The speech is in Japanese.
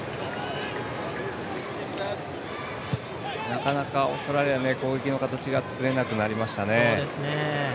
なかなか、オーストラリア攻撃の形が作れなくなりましたね。